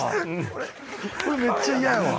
これめっちゃ嫌やわ。